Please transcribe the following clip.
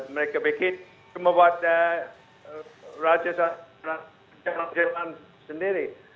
mereka bikin cuma buat raja jerman sendiri